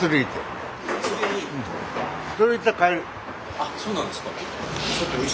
あっそうなんですか。